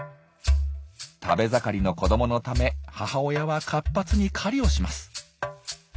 食べ盛りの子どものため母親は活発に狩りをします。